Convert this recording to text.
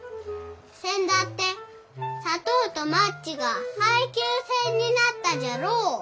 せんだって砂糖とマッチが配給制になったじゃろお。